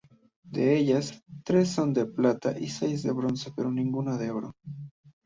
De ellas, tres son de plata y seis de bronce pero ninguna de oro.